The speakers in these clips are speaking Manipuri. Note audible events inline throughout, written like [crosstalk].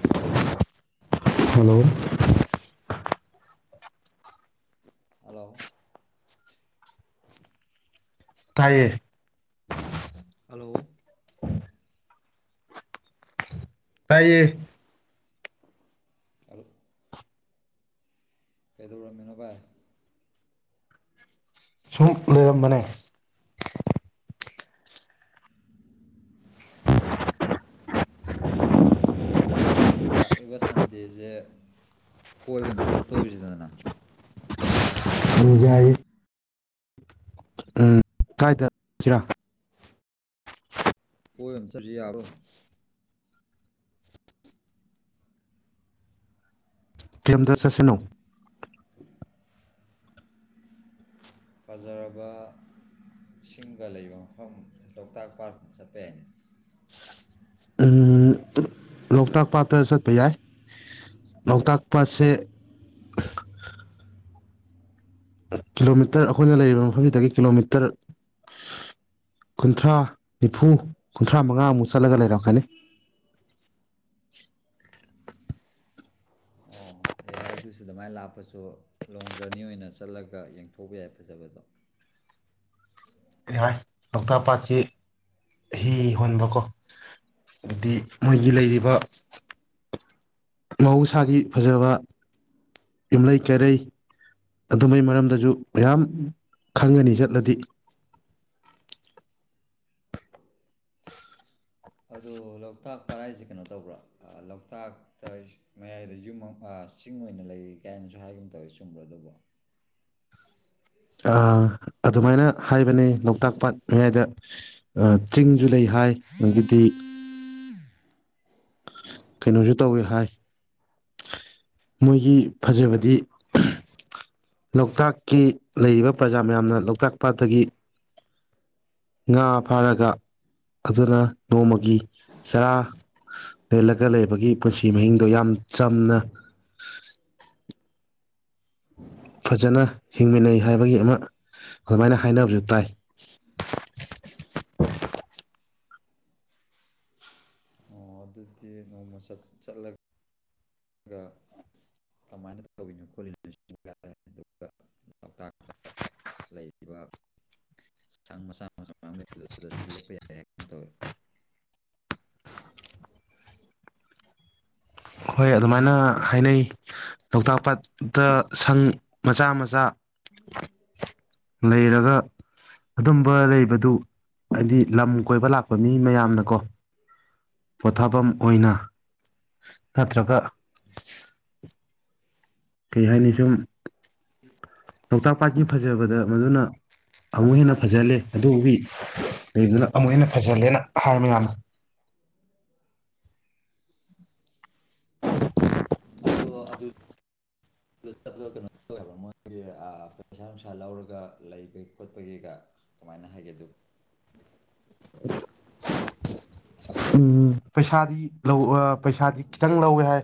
ꯍꯜꯂꯣ ꯍꯂꯣ ꯍꯜꯂꯣ [inaudible] ꯇꯥꯏꯌꯦ ꯍꯂꯣ ꯇꯏꯌꯦ ꯑꯣ ꯀꯩꯗꯧꯔꯝꯃꯤꯅꯣ ꯚꯥꯏ ꯁꯨꯝ ꯂꯩꯔꯝꯕꯅꯦ ꯑꯗꯣ ꯂꯥꯛꯏꯕ ꯁꯟꯗꯦꯁꯦ ꯀꯣꯏꯕ ꯑꯝꯇ ꯆꯠꯇꯣꯔꯤꯁꯤꯗꯅ ꯖꯏ ꯎꯝ ꯀꯗꯥꯥꯏꯏꯗꯁꯤꯔꯥ ꯍꯣꯏ ꯑꯟꯁꯔ ꯌꯦꯌꯦ ꯌꯥꯕꯣ ꯊꯤꯦꯝꯗ ꯆꯠꯁꯅꯨ ꯐꯖꯔꯕ ꯁꯤꯡꯒ ꯂꯩꯕ ꯃꯐꯝ ꯂꯣꯛꯇꯥꯛ ꯄꯥꯔꯠ ꯆꯠꯄ ꯌꯥꯏꯅꯤ ꯂꯣꯛꯇꯥꯛ ꯄꯥꯠꯇ ꯆꯠꯄ ꯌꯥꯏ ꯂꯣꯛꯇꯥꯛ ꯄꯥꯠꯁꯦ ꯀꯤꯂꯣꯃꯤꯇꯔ ꯑꯩꯈꯣꯏꯅ ꯂꯩꯔꯤꯕ ꯃꯐꯝꯁꯤꯗꯒꯤ ꯀꯤꯂꯣꯃꯤꯇꯔ ꯀꯨꯟꯊ꯭ꯔꯥ ꯅꯤꯐꯨ ꯀꯨꯟꯊ꯭ꯔꯥ ꯃꯉꯥꯃꯨꯛ ꯆꯠꯂꯒ ꯂꯩꯔꯝꯀꯅꯤ ꯑꯣ ꯌꯥꯏ ꯑꯗꯨꯁꯨ ꯑꯗꯨꯃꯥꯏꯅ ꯂꯥꯛꯞꯄꯁꯨ ꯂꯣꯡ ꯖꯔꯅꯤ ꯑꯣꯏꯅ ꯆꯠꯂꯒ ꯌꯦꯡꯊꯣꯛꯄ ꯌꯥꯏ ꯐꯖꯕꯗꯣ ꯍꯥꯏꯥꯏ ꯂꯣꯛꯇꯥꯛ ꯄꯥꯠꯁꯤ ꯍꯤ ꯍꯣꯟꯕꯀꯣ ꯑꯗꯨꯗꯤ ꯃꯣꯏꯒꯤ ꯂꯩꯔꯤꯕ ꯃꯍꯧꯁꯥꯒꯤ ꯐꯖꯕ ꯌꯨꯝꯂꯩ ꯀꯩꯔꯩ ꯑꯗꯨꯃꯥꯏ ꯃꯔꯝꯗꯁꯨ ꯃꯌꯥꯝ ꯈꯪꯒꯅꯤ ꯆꯠꯂꯗꯤ ꯑꯗꯨꯣ ꯂꯣꯛꯇꯥꯛ ꯄꯔꯥꯏꯁꯦ ꯀꯩꯅꯣ ꯇꯧꯕ꯭ꯔꯥ ꯂꯣꯛꯇꯥꯛꯇ ꯃꯌꯥꯏꯗ ꯌꯨꯝ ꯑꯃ ꯆꯤꯡ ꯑꯣꯏꯅ ꯂꯩ ꯀꯥꯏꯅꯁꯨ ꯍꯥꯏꯒꯨꯝ ꯇꯧꯋꯦ ꯆꯨꯝꯕ꯭ꯔꯥ ꯑꯗꯨꯕꯣ ꯑꯗꯨꯃꯥꯏꯅ ꯍꯥꯏꯕꯅꯦ ꯂꯣꯛꯇꯥꯛ ꯄꯥꯠ ꯃꯌꯥꯏꯗ ꯆꯤꯡ ꯨ ꯂꯩ ꯍꯥꯏ ꯑꯒꯤꯗꯤ ꯀꯩꯅꯣꯁꯨ ꯇꯧꯋꯤ ꯍꯥꯏ ꯃꯣꯏꯒꯤ ꯐꯖꯕꯗꯤ ꯂꯣꯛꯇꯥꯛꯀꯤ ꯂꯩꯔꯤꯕ ꯄ꯭ꯔꯖꯥ ꯃꯌꯥꯝꯅ ꯂꯣꯛꯇꯥꯛ ꯄꯥꯠꯇꯒꯤ ꯉꯥ ꯐꯥꯔꯒ ꯑꯗꯨꯅ ꯅꯣꯡꯃꯒꯤ ꯆꯔꯥ ꯂꯦꯜꯂꯒ ꯂꯩꯕꯒꯤ ꯄꯨꯟꯁꯤ ꯃꯍꯤꯡꯗꯣ ꯌꯥꯝ ꯆꯝꯅ ꯐꯖꯅ ꯍꯤꯡꯃꯤꯟꯅꯩ ꯍꯥꯏꯕꯒꯤ ꯑꯃ ꯑꯗꯨꯃꯥꯏꯅ ꯍꯥꯏꯅꯕꯁꯨ ꯇꯥꯏ ꯑꯣ ꯑꯗꯨꯗꯤ ꯅꯣꯡꯃ ꯆꯠꯂꯒ ꯀꯃꯥꯏꯅ ꯇꯧꯤꯅꯣ ꯈꯣꯠꯂꯤꯅꯣꯔꯦ ꯑꯗꯨꯒ ꯂꯣꯛꯇꯥꯛ ꯂꯩꯔꯤꯕ ꯁꯪ ꯃꯆꯥ ꯃꯆꯥ ꯃꯌꯥꯝ ꯂꯩꯕ ꯑꯗꯨꯗꯁꯨ ꯂꯞꯄ ꯌꯥꯏ ꯍꯥꯏ ꯇꯧꯋꯤ ꯍꯣꯏ ꯑꯗꯨꯃꯥꯏꯅ ꯍꯥꯏꯅꯩ ꯂꯣꯛꯇꯥꯛ ꯄꯥꯠꯇ ꯁꯪ ꯃꯆꯥ ꯃꯆꯥ ꯂꯩꯔꯒ ꯑꯗꯨꯝꯕ ꯂꯩꯕꯗꯨ ꯍꯥꯏꯗꯤ ꯂꯝ ꯀꯣꯏꯕ ꯂꯥꯛꯄ ꯃꯤ ꯃꯌꯥꯝꯅꯀꯣ ꯄꯣꯊꯥꯐꯝ ꯑꯣꯏꯅ ꯅꯠꯇ꯭ꯔꯒ ꯀꯩ ꯍꯥꯏꯅꯤ ꯁꯨꯝ ꯎꯝ ꯂꯣꯛꯇꯥꯛ ꯄꯥꯠꯀꯤ ꯐꯖꯕꯗ ꯃꯗꯨꯅ ꯑꯃꯨꯛ ꯍꯦꯟꯅ ꯐꯖꯍꯜꯂꯦ ꯑꯗꯨꯒꯤ ꯀꯩꯗꯨꯅ ꯑꯃꯨꯛ ꯍꯦꯟꯅ ꯐꯖꯜꯂꯦꯅ ꯍꯥꯏ ꯃꯌꯥꯝꯅ ꯑꯗꯨꯗꯣ ꯑꯗꯨ ꯆꯠꯄꯗ ꯀꯩꯅꯣ ꯇꯧꯋꯦ ꯍꯥꯏꯕ꯭ꯔꯥ ꯃꯣꯏꯒꯤ ꯄꯩꯁꯥ ꯅꯨꯡꯁꯥ ꯂꯧꯔꯒ ꯂꯩꯕꯒꯤ ꯈꯣꯠꯄꯒꯤꯒ ꯀꯃꯥꯏꯅ ꯍꯥꯏꯒꯦ ꯑꯗꯨ [inaudible] ꯎꯝ ꯄꯩꯁꯥꯗꯤ ꯂꯧ ꯑ ꯄꯩꯁꯥꯗꯤ ꯈꯤꯇꯪ ꯂꯧꯋꯦ ꯍꯥꯏ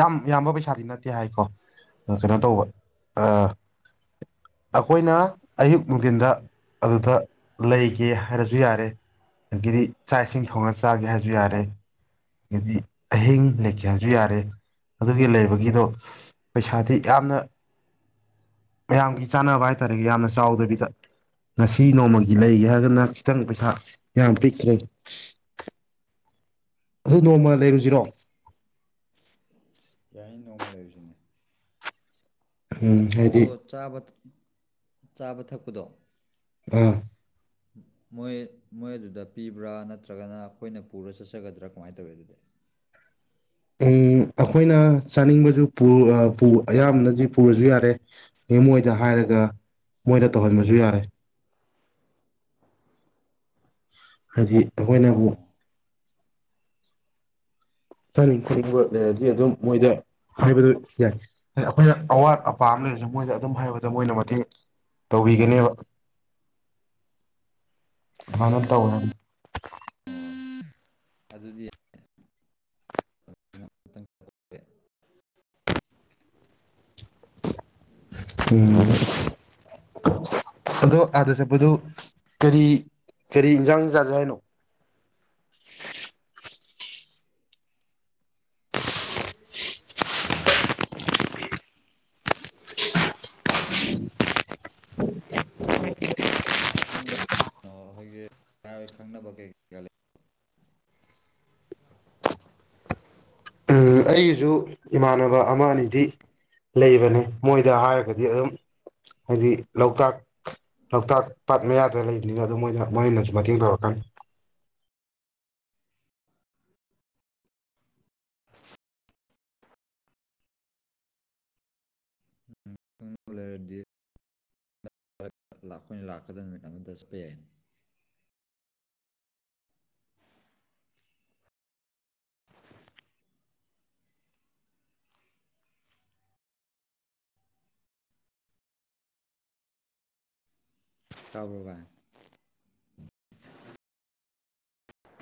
ꯌꯥꯝ ꯌꯥꯝꯕ ꯄꯩꯁꯥꯗꯤ ꯅꯠꯇꯦ ꯍꯥꯏꯀꯣ ꯀꯩꯅꯣ ꯇꯧꯕ ꯑꯩꯈꯣꯏꯅ ꯑꯌꯨꯛ ꯅꯨꯡꯊꯤꯟꯗ ꯑꯗꯨꯗ ꯂꯩꯒꯦ ꯍꯥꯏꯔꯁꯨ ꯌꯥꯔꯦ ꯑꯗꯒꯤꯗꯤ ꯆꯥꯛ ꯏꯁꯤꯡ ꯊꯣꯡꯉ ꯆꯥꯒꯦ ꯍꯥꯏꯁꯨ ꯌꯥꯔꯦ ꯍꯥꯏꯗꯤ ꯑꯍꯤꯡ ꯂꯩꯀꯦ ꯍꯥꯏꯁꯨ ꯌꯥꯔꯦ ꯑꯗꯨꯒꯤ ꯂꯩꯕꯒꯤꯗꯣ ꯄꯩꯁꯥꯗꯤ ꯌꯥꯝꯅ ꯃꯌꯥꯝꯒꯤ ꯆꯥꯅꯕ ꯍꯥꯏꯇꯥꯥꯔꯦ ꯌꯥꯝꯅ ꯆꯥꯎꯗꯕꯤꯗ ꯉꯁꯤ ꯅꯣꯡꯃꯒꯤ ꯂꯩꯒꯦ ꯍꯥꯏꯔꯒꯅ ꯈꯤꯇꯪ ꯄꯩꯁꯥ ꯌꯥꯝ ꯄꯤꯛꯈ꯭ꯔꯦ ꯑꯗꯨ ꯅꯣꯡꯃ ꯂꯩꯔꯨꯁꯤꯔꯣ ꯌꯥꯏ ꯅꯣꯡꯃ ꯂꯩꯔꯤꯁꯤꯅꯦ ꯎꯝ ꯑꯗꯣ ꯍꯥꯏꯗꯤ ꯆꯥꯕ ꯆꯥꯕ ꯊꯛꯄꯗꯣ ꯑ ꯃꯣꯏ ꯃꯣꯏ ꯑꯗꯨꯗ ꯄꯤꯕ꯭ꯔꯥ ꯅꯠꯇ꯭ꯔꯒꯅ ꯑꯩꯈꯣꯏꯅ ꯄꯨꯔ ꯆꯠꯆꯒꯗ꯭ꯔꯥ ꯀꯃꯥꯏꯅ ꯇꯧꯋꯤ ꯑꯗꯨꯗꯤ ꯎꯝ ꯑꯩꯈꯣꯏꯅ ꯆꯥꯅꯤꯡꯕꯗꯨ ꯄꯨꯑꯥ ꯑꯌꯥꯝꯕꯅꯗꯤ ꯄꯨꯔꯁꯨ ꯌꯥꯔꯦ ꯃꯦꯝ ꯑꯣꯏꯗ ꯍꯥꯏꯔꯒ ꯃꯣꯏꯗ ꯇꯧꯍꯟꯕꯁꯨ ꯌꯥꯔꯦ ꯍꯥꯏꯗꯤ ꯑꯩꯈꯣꯏꯅꯕꯨ ꯑꯣ ꯐꯅꯤ [inaudible] ꯂꯩꯔꯗꯤ ꯍꯥꯏꯔꯣ ꯑꯗꯨꯝ ꯃꯣꯏꯗ ꯍꯥꯏꯕꯗꯨ ꯌꯥꯏ ꯑꯩꯈꯣꯏꯅ ꯑꯋꯥꯠ ꯑꯄꯥ ꯑꯃ ꯂꯩꯔꯁꯨ ꯃꯣꯏꯗ ꯑꯗꯨꯝ ꯍꯥꯏꯕꯗ ꯃꯣꯏꯅ ꯃꯇꯦꯡ ꯇꯧꯕꯤꯒꯅꯦꯕ ꯑꯗꯨꯃꯥꯏꯅ ꯇꯧꯋꯦ ꯍꯥꯏꯕꯅꯤ ꯑꯗꯨꯗꯤ ꯎꯝ ꯑꯗꯣ ꯑꯥꯗ ꯆꯠꯄꯗꯨ ꯀꯔꯤ ꯀꯔꯤ ꯏꯟꯖꯥꯡ ꯆꯥꯁꯦ ꯍꯥꯏꯅꯣ ꯑꯗꯨ ꯍꯝ [inaudible] ꯑꯣ ꯑꯩꯈꯣꯏꯒꯤ ꯈꯪꯅꯕ ꯀꯩ ꯀꯩ ꯂꯩ ꯎꯝ ꯑꯩꯒꯤꯁꯨ ꯏꯃꯥꯟꯅꯕ ꯑꯃ ꯑꯅꯤꯗꯤ ꯂꯩꯕꯅꯦ ꯃꯣꯏꯗ ꯍꯥꯏꯔꯒꯗꯤ ꯑꯗꯨꯝ ꯍꯥꯏꯗꯤ ꯂꯣꯛꯇꯥꯛ ꯂꯣꯛꯇꯥꯛ ꯄꯥꯠ ꯃꯌꯥꯗ ꯂꯩꯕꯅꯤꯅ ꯑꯗꯨꯝ ꯃꯣꯏꯅ ꯃꯣꯏꯅꯁꯨ ꯃꯇꯦꯡ ꯇꯧꯔꯛꯀꯅꯤ ꯂꯩꯔꯗꯤ ꯑꯩꯈꯣꯏꯅ ꯂꯥꯛꯀꯗꯝꯅꯤꯅ ꯆꯠꯄ ꯌꯥꯏ ꯇꯕꯔꯣ ꯕꯥꯏ